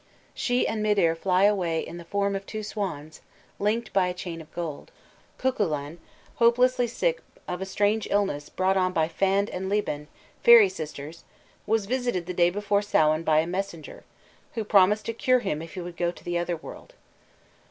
_ She and Midir fly away in the form of two swans, linked by a chain of gold. Cuchulain, hopelessly sick of a strange illness brought on by Fand and Liban, fairy sisters, was visited the day before Samhain by a messenger, who promised to cure him if he would go to the Otherworld.